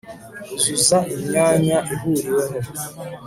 uzuza imyanya ihuriweho